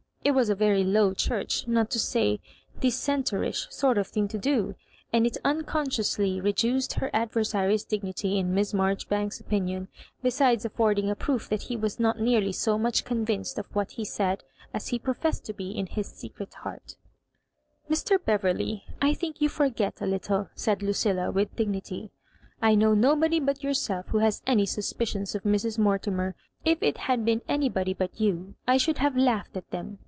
It was a very Low Church, not to say Dissenter isb, sort of thing to do, and it unconsciously re duced her adversary's dignity ia Miss Marjori banks's opinion, besides aidrding a proof that he was not nearly so much oonvinced of what he said, as he professed to be, in his secret heart " Mr. Beverley, I think you forget a little,'* said Lucilla, with dignity; I know nobody but your self who has any suspieioas of Mrs. Mortimer. If it had been anybody but you, I should have laughed at them.